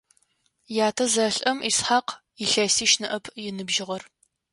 Ятэ зэлӀэм Исхьакъ илъэсищ ныӀэп ыныбжьыгъэр.